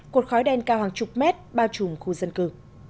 cột khói đen cao hàng chục mét bao trùm khu dân cư